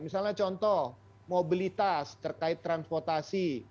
misalnya contoh mobilitas terkait transportasi